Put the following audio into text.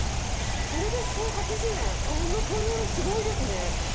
それで１０８０円、このボリュームすごいですね。